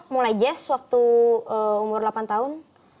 mulai jazz waktu umur delapan tahun